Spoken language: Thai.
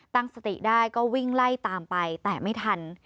ตั้งสติได้ก็วิ่งไล่ตามไปแต่ไม่ทัน